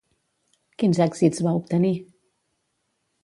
Quins èxits va obtenir?